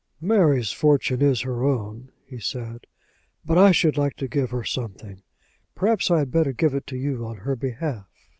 "Mary's fortune is her own," he said; "but I should like to give her something. Perhaps I had better give it to you on her behalf."